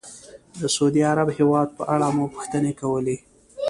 د سعودي عرب هېواد په اړه مو پوښتنې کولې.